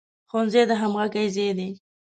ښوونځی د همغږۍ ځای دی